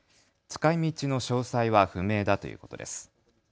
使いみちの詳細は不明だということです。